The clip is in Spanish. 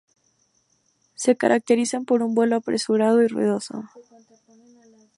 Se caracterizan por un vuelo apresurado y ruidoso.